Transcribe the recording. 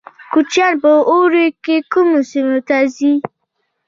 کوچیان په اوړي کې کومو سیمو ته ځي؟